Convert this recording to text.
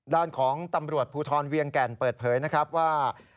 ด้านของตำรวจภูทรเวียงแก่นเปิดเผยนะครับว่า